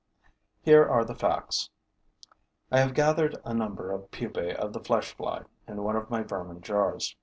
Here are the facts. I have gathered a number of pupae of the flesh fly in one of my vermin jars.